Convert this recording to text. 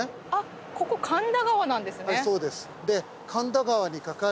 ここ神田川なんですね。